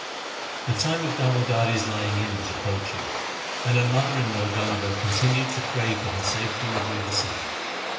The time of Damodari's lying in was approaching, and her mother in law Ganga continued to pray for her safe delivery of a son.